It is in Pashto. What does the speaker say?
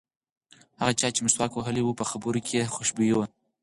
هغه چا چې مسواک وهلی و په خبرو کې یې خوشبويي وه.